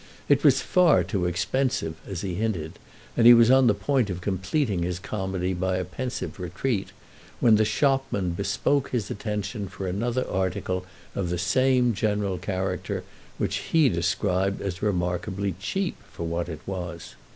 It was far too expensive, as he hinted, and he was on the point of completing his comedy by a pensive retreat when the shopman bespoke his attention for another article of the same general character, which he described as remarkably cheap for what it was.